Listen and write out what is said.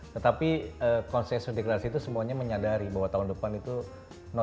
tetapi konsensus deklarasi itu semuanya menyadari bahwa tahun depan itu nol